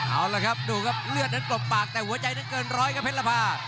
เอาละครับดูครับเลือดนั้นกลบปากแต่หัวใจนั้นเกินร้อยครับเพชรภา